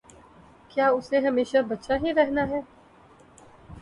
کیا اسے ہمیشہ بچہ ہی رہنا ہے؟